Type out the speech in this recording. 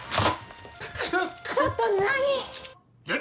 ちょっと何！